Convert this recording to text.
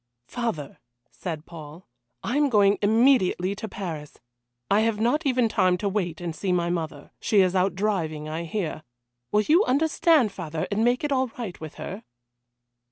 "Father," said Paul, "I am going immediately to Paris. I have not even time to wait and see my mother she is out driving, I hear. Will you understand, father, and make it all right with her?"